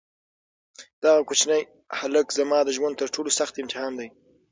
دغه کوچنی هلک زما د ژوند تر ټولو سخت امتحان دی.